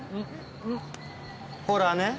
ほらね。